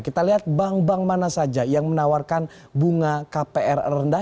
kita lihat bank bank mana saja yang menawarkan bunga kpr rendah